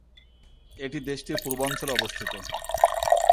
এটি দেশটির পূর্বাঞ্চলে অবস্থিত।